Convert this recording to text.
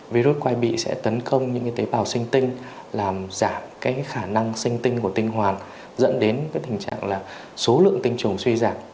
virus quai bị sẽ tấn công những tế bào sinh tinh làm giảm khả năng sinh tinh của tinh hoàn dẫn đến số lượng tinh trùng suy giảm